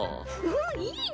うんいいね。